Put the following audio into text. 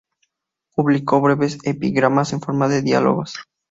Publicó breves epigramas en forma de diálogos.